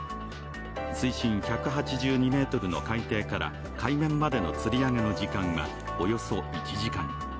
水深１８２ｍの海底から海岸までのつり上げの時間はおよそ１時間。